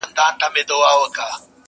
همدا ښارونه، دا کیسې او دا نیکونه به وي!.